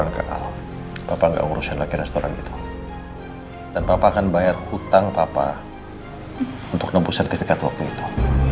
dan papa akan bayar hutang papa untuk numpuh sertifikat waktu itu